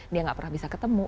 dia nggak pernah bisa ketemu